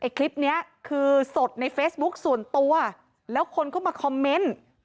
คลิปนี้คือสดในเฟซบุ๊คส่วนตัวแล้วคนก็มาคอมเมนต์